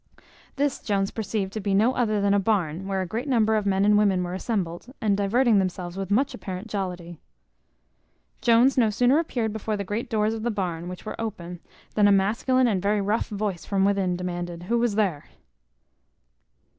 This Jones perceived to be no other than a barn, where a great number of men and women were assembled, and diverting themselves with much apparent jollity. Jones no sooner appeared before the great doors of the barn, which were open, than a masculine and very rough voice from within demanded, who was there?